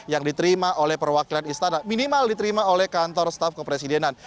yang diterima oleh perwakilan istana minimal diterima oleh kantor staf kepresidenan